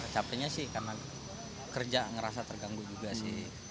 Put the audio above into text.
capeknya sih karena kerja ngerasa terganggu juga sih